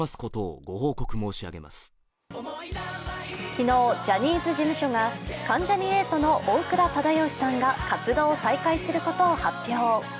昨日、ジャニーズ事務所が関ジャニ∞の大倉忠義さんが活動を再開することを発表。